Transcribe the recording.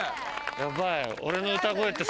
ヤバい。